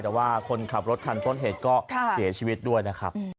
แต่ว่าคนขับรถคันต้นเหตุก็เสียชีวิตด้วยนะครับ